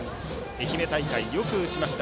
愛媛大会、よく打ちました。